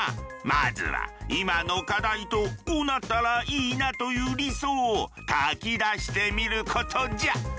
まずは今の課題とこうなったらいいなという理想を書き出してみることじゃ。